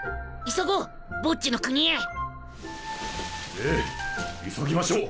ええ急ぎましょう！